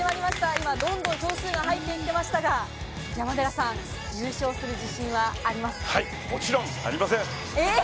今、どんどん総数が入っていきましたが、山寺さん、優勝する自信はあはい、もちろんありません！